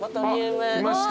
来ました。